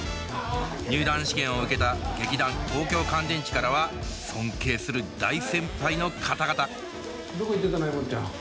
入団試験を受けた劇団東京乾電池からは尊敬する大先輩の方々どこ行ってたのえもっちゃん。